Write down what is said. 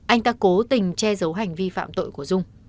anh ta cố tình che giấu hành vi phạm tội của dung